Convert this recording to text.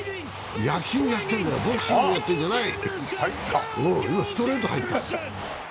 野球やってるんだよ、ボクシングやってるんじゃない！